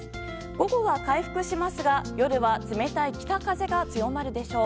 午後は回復しますが夜は冷たい北風が強まるでしょう。